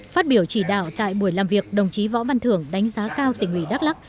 phát biểu chỉ đạo tại buổi làm việc đồng chí võ văn thưởng đánh giá cao tỉnh ủy đắk lắc